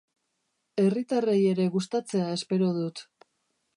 Herritarrei ere gustatzea espero dut.